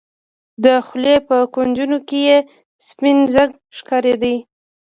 د خولې په کونجونو کښې يې سپين ځګ ښکارېده.